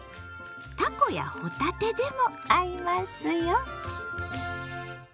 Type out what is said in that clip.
たこやほたてでも合いますよ。